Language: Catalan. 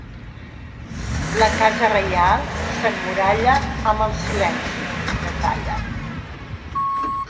La casa reial s’emmuralla amb el silenci, detalla.